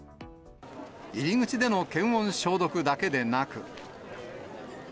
入り口での検温消毒だけでなく。